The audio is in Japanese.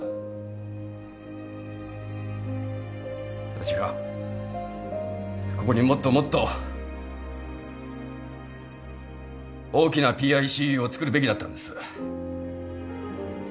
私がここにもっともっと大きなＰＩＣＵを作るべきだったんです。